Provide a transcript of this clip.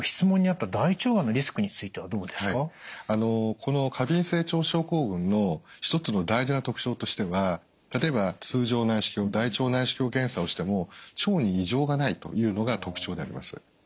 この過敏性腸症候群の一つの大事な特徴としては例えば通常内視鏡大腸内視鏡検査をしても腸に異常がないというのが特徴であります。